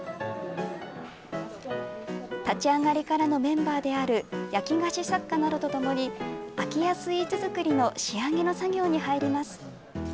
立ち上がりからのメンバーである焼き菓子作家などとともに空家スイーツ作りの仕上げの作業に入ります。